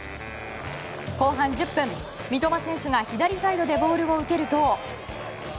後半１０分、三笘選手が左サイドでボールを受けると。